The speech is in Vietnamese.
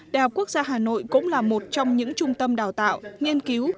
đại học quốc gia hà nội cũng là một trong những trung tâm đào tạo nghiên cứu